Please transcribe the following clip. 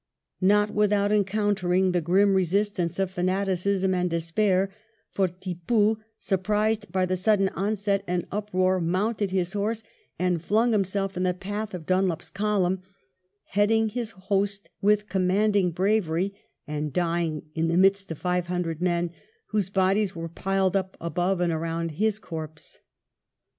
Not without encountering the grim resistance of fanaticism and despair, for Tippoo, surprised by the sudden onset and uproar, mounted his horse and flung himself in the path of Dunlop's column, heading his host with commanding bravery and dying in the midst of five hundred men, whose bodies were piled up above and around his corpse.